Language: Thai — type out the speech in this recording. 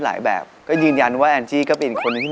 เพราะว่าเพราะว่าเพราะว่าเพราะ